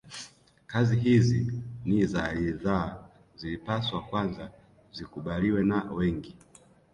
Kazi hizi ni za ridhaa zilipaswa kwanza zikubaliwe na wengi